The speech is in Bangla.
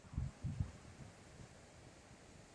গল্পবাগীশ লোক মাত্রেই পণ্ডিতমহাশয়ের প্রতি বড়ো অনুকূল।